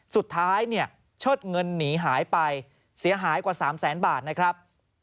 สุดท้ายเนี่ยเชิดเงินหนีหายไปเสียหายกว่า๓แสนบาทนะครับ